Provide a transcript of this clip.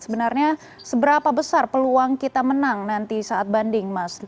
sebenarnya seberapa besar peluang kita menang nanti saat banding mas